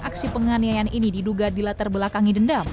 aksi penganiayaan ini diduga dilatar belakangi dendam